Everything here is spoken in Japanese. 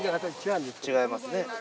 違いますね